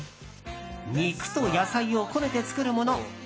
肉と野菜をこねて作るもの。